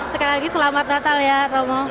sekali lagi selamat natal ya romo